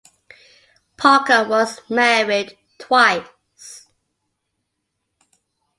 Parker was married twice.